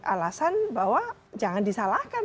alasan bahwa jangan disalahkan